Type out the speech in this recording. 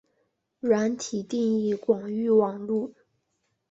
软体定义广域网路。